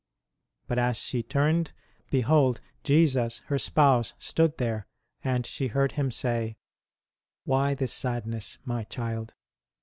But as she turned, behold Jesus her Spouse stood there, and she heard Him say : 1 Why this sadness, My child